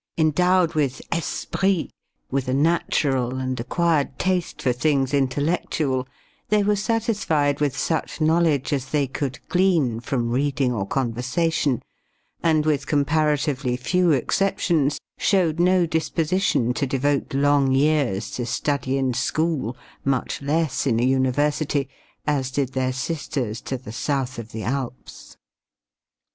Endowed with esprit, with a natural and acquired taste for things intellectual, they were satisfied with such knowledge as they could glean from reading or conversation, and with comparatively few exceptions, showed no disposition to devote long years to study in school, much less in a university, as did their sisters to the south of the Alps.